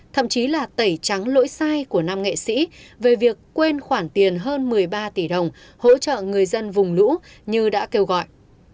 thậm chí là tẩy trắng lỗi sai của nam nghệ sĩ về việc quên khoản tiền hơn một mươi ba tỷ đồng hỗ trợ người dân vùng lũ như đã kêu gọi